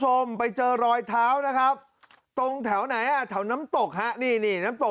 คุณผู้ชมไปเจอรอยเท้านะครับตรงแถวไหนอ่ะแถวน้ำตกฮะนี่นี่น้ำตก